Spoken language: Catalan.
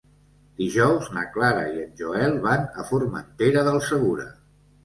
Dijous na Clara i en Joel van a Formentera del Segura.